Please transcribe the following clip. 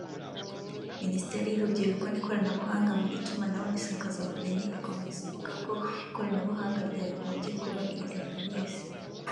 Ministeri y’urubyiruko n’ikoranabuhanga mu Itumanaho n’isakazabumenyi ikomeza ivuga ko ikoranabuhanga ryagombye kuba irya buri wese